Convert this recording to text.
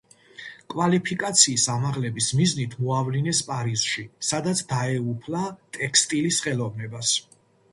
კვალიფიკაციის ამაღლების მიზნით მოავლინეს პარიზში, სადაც დაეუფლა ტექსტილის ხელოვნებას.